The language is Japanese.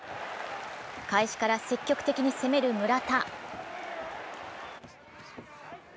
開始から積極的に攻める村田。